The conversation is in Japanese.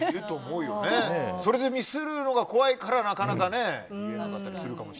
それでミスるのが怖いからなかなか言えなかったりするかも。